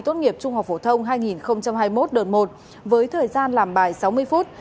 thí sinh sẽ làm bài thi tốt nghiệp trung học phổ thông hai nghìn hai mươi một đợt một với thời gian làm bài sáu mươi phút